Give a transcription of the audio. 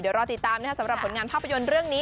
เดี๋ยวรอติดตามสำหรับผลงานภาพยนตร์เรื่องนี้สวัสดีครับ